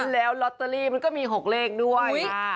แล้วลอตเตอรี่มันก็มี๖เลขด้วย